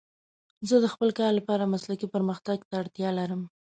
زه د خپل کار لپاره مسلکي پرمختګ ته اړتیا لرم.